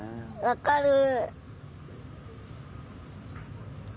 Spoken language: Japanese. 分かる。